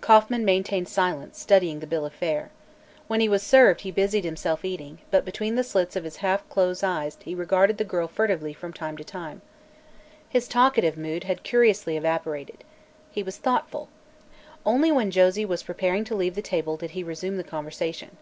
Kauffman maintained silence, studying the bill of fare. When he was served he busied himself eating, but between the slits of his half closed eyes he regarded the girl furtively from, time to time. His talkative mood had curiously evaporated. He was thoughtful. Only when Josie was preparing to leave the table did he resume the conversation.